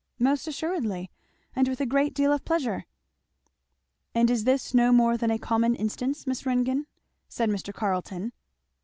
"Most assuredly! and with a great deal of pleasure." "And is this no more than a common instance, Miss Ringgan?" said Mr. Carleton.